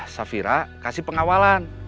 safira kasih pengawalan